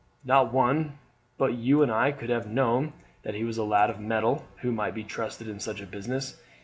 No one but you and I could have known that he was a lad of mettle, who might be trusted in such a business.